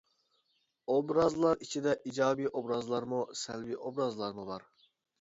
ئوبرازلار ئىچىدە ئىجابىي ئوبرازلارمۇ، سەلبىي ئوبرازلارمۇ بار.